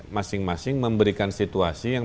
masing masing memberikan situasi yang